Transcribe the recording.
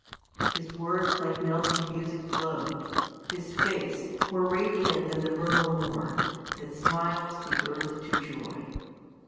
His words like melting music flow'd: his face, More radiant than the vernal morn, that smiles The earth to joy.